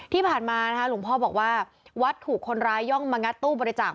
ที่ผ่านมานะคะหลวงพ่อบอกว่าวัดถูกคนร้ายย่องมางัดตู้บริจาค